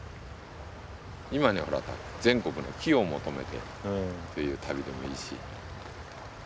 今に全国の木を求めてっていう旅でもいいし。